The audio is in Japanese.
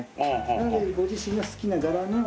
なのでご自身が好きな柄のお守りを。